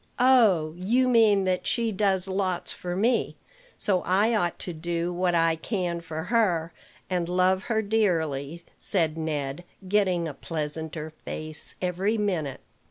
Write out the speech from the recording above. "Oh! you mean that she does lots for me; so I ought to do what I can for her, and love her dearly," said Ned, getting a pleasanter face every minute.